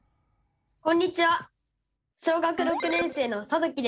こんにちは小学６年生のさときです。